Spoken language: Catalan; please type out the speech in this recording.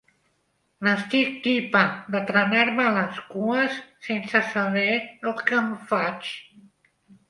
N'estic tipa de trenar-me les cues sense saber el que em faig